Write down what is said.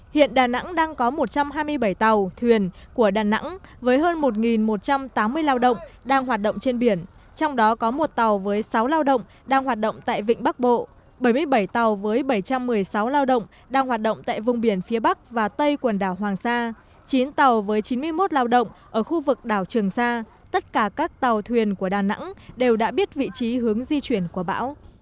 hiện đà nẵng đang có một trăm hai mươi bảy tàu thuyền của đà nẵng với hơn một một trăm tám mươi lao động đang hoạt động trên biển trong đó có một tàu với sáu lao động đang hoạt động tại vịnh bắc bộ bảy mươi bảy tàu với bảy trăm một mươi sáu lao động đang hoạt động tại vùng biển phía bắc và tây quần đảo hoàng sa chín tàu với chín mươi một lao động ở khu vực đảo trường sa tất cả các tàu thuyền của đà nẵng đều đã biết vị trí hướng di chuyển của bão